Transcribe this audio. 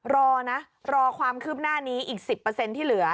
รอนะรอความคืบหน้านี้อีก๑๐ที่เหลือ